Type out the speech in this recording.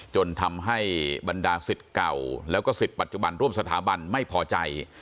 จนทำให้บรรดาสิทธิ์เก่าแล้วก็สิทธิ์ปัจจุบันร่วมสถาบันไม่พอใจ